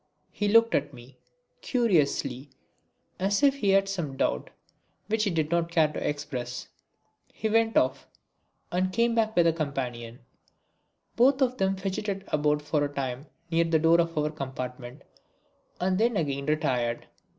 He looked at me curiously as if he had some doubt which he did not care to express. He went off and came back with a companion. Both of them fidgetted about for a time near the door of our compartment and then again retired.